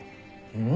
うん。